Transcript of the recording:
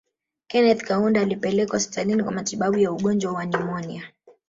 Kenneth Kaunda alipelekwa hospitalini kwa matibabu ya ugonjwa wa nimonia